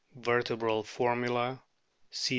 Vertebral formula: C.